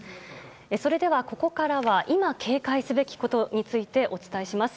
それでは、ここからは今警戒すべきことについてお伝えします。